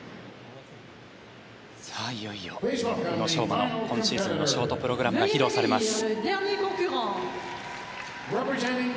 いよいよ宇野昌磨の今シーズンのショートプログラムが披露されます。